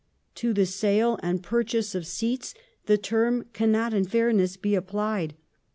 To the sale and purchase of seats the term cannot in fairness be applied.